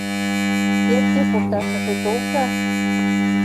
Перке пурташыже толза.